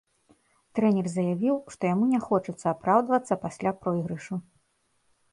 Трэнер заявіў, што яму не хочацца апраўдвацца пасля пройгрышу.